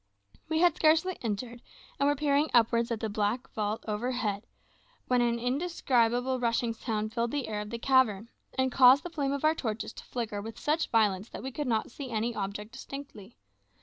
We had scarcely entered, and were peering upwards at the black vault overhead, when an indescribable rushing sound filled the air of the cavern, and caused the flame of our torches to flicker with such violence that we could not see any object distinctly.